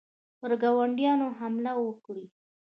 پر ګاونډیانو حمله وکړي.